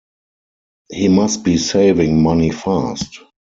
He must be saving money fast.